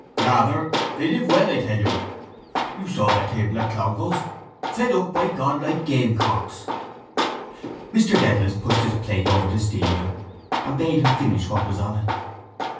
—Rather. They live well, I tell you. You saw their table at Clongowes. Fed up, by God, like gamecocks. Mr Dedalus pushed his plate over to Stephen and bade him finish what was on it.